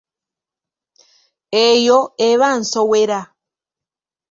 Eyo eba nsowera.